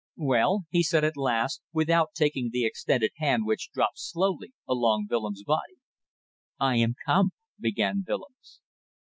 "Well!" he said at last, without taking the extended hand which dropped slowly along Willems' body. "I am come," began Willems.